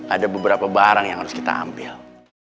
ada beberapa barang yang harus kita ambil